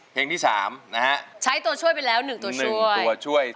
เพลงที่สามนะฮะใช้ตัวช่วยไปแล้วหนึ่งตัวช่วยหนึ่งตัวช่วย